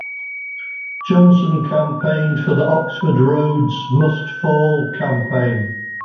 Johnson campaigned for the Oxford Rhodes Must Fall campaign.